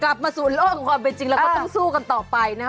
กลับมาสู่โลกของความเป็นจริงแล้วก็ต้องสู้กันต่อไปนะฮะ